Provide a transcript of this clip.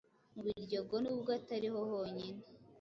mu Biryogo nubwo atari ho honyine,